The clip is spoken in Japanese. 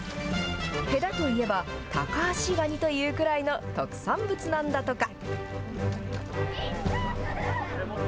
戸田といえば、タカアシガニというくらいの特産物なんだとか。